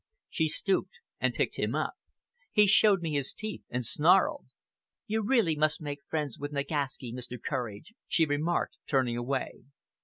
She stooped and picked him up. He showed me his teeth and snarled. "You really must make friends with Nagaski, Mr. Courage," she remarked, turning away.